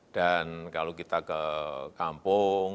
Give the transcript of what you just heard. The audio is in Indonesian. dan kalau kita ke kampung